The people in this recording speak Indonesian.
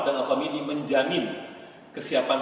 saya sangat ingin memberi pertanyaan